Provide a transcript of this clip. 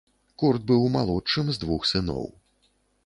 Курт быў малодшым з двух сыноў.